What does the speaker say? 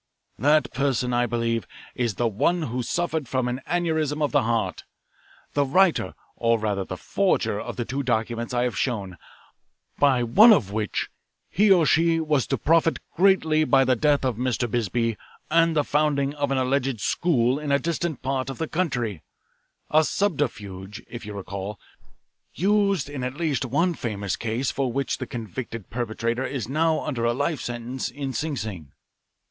That person, I believe, is the one who suffered from an aneurism of the heart, the writer, or rather the forger, of the two documents I have shown, by one of which he or she was to profit greatly by the death of Mr. Bisbee and the founding of an alleged school in a distant part of the country a subterfuge, if you recall, used in at least one famous case for which the convicted perpetrator is now under a life sentence in Sing Sing.